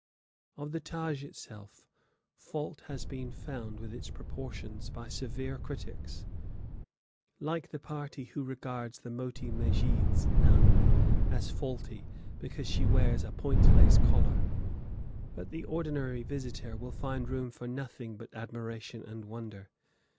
Of the Taj itself, fault has been found with its proportions by severe critics, like the party who regards the Moti Mesjid "nun" as faulty because she wears a point lace collar; but the ordinary visitor will find room for nothing but admiration and wonder.